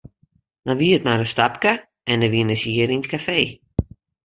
Dan wie it mar in stapke en dan wienen se hjir yn it kafee.